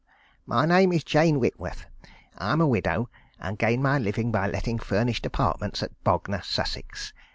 _ My name is Jane Whitworth. I am a widow, and gain my living by letting furnished apartments at Bognor, Sussex.